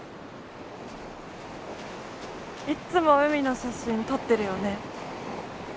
いっつも海の写真撮ってるよね。